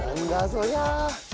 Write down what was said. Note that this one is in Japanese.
そりゃ。